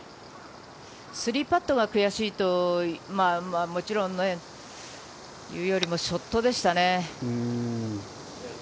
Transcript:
３パットが悔しいというよりも、ショットでしたね。